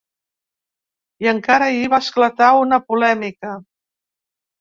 I encara ahir va esclatar una polèmica.